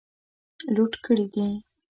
لوټ کړي دي.